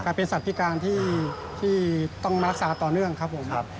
เป็นสัตว์พิการที่ต้องรักษาต่อเนื่องครับผม